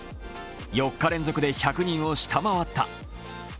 ４日連続で１００人を下回った。